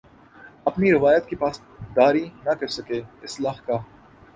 اپنی روایت کی پاسداری نہ کر سکے اصلاح کا